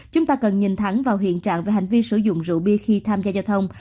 chúng ta cần nhìn thẳng vào hiện trạng về hành vi sử dụng rượu bia khi tham gia giao thông